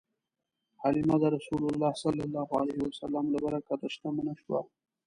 حلیمه د رسول الله ﷺ له برکته شتمنه شوه.